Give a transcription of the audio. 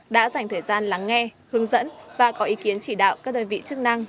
đã dành thời gian lắng nghe hướng dẫn và có ý kiến chỉ đạo các đơn vị chức năng